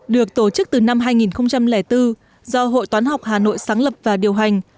được tổ chức từ năm hai nghìn bốn do hội toán học hà nội sáng lập và điều hành